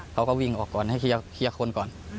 เขาก็วิ่งออกก่อนให้เคลียร์คนก่อน